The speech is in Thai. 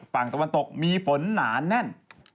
ฝั่งตะวันตกมีฝนหนาแน่น